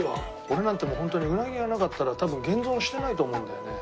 俺なんてもうホントにうなぎがなかったら多分現存してないと思うんだよね。